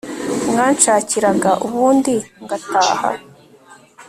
mwanshakiraga ubundi ngataha